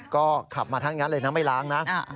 ก็ขับมาทั้งนั้นเลยนะไม่ล้างนะ